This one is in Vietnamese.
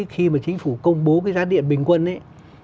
khi mà chính phủ công bố cái giá điện bình quân ấy